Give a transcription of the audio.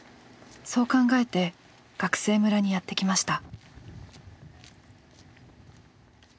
そう考えて学生村にやって来ました。